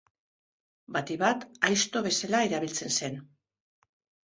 Batik bat, aizto bezala erabiltzen zen.